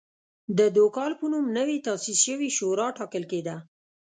د دوکال په نوم نوې تاسیس شوې شورا ټاکل کېده.